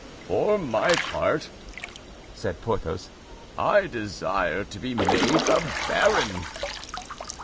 "For my part," said Porthos, "I desire to be made a baron."